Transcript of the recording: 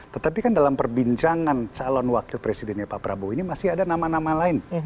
tetapi kan dalam perbincangan calon wakil presidennya pak prabowo ini masih ada nama nama lain